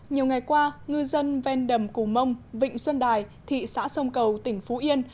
nhiều ngày qua ngư dân ven đầm cù mông vịnh xuân đài thị xã sông cầu tỉnh phú yên